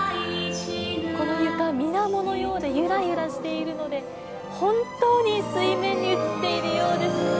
この床、みなものようでゆらゆらしているので、本当に水面に映っているようです。